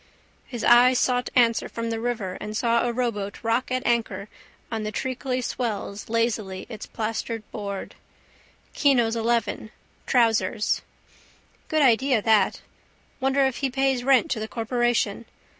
His eyes sought answer from the river and saw a rowboat rock at anchor on the treacly swells lazily its plastered board. Kino's 11/— Trousers Good idea that. Wonder if he pays rent to the corporation.